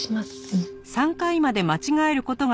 うん。